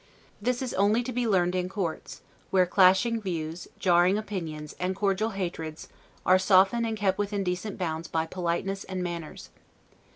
This is only to be learned in courts, where clashing views, jarring opinions, and cordial hatreds, are softened and kept within decent bounds by politeness and manners.